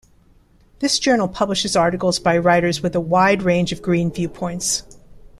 This journal publishes articles by writers with a wide range of Green viewpoints.